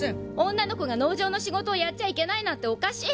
女の子が農場の仕事をやっちゃいけないなんておかしい！